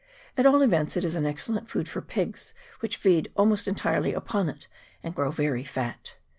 At all events, it is an excellent food for pigs, which feed almost entirely upon it, and grow very fat.